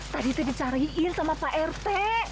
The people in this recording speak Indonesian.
tadi itu dicariin sama pak rt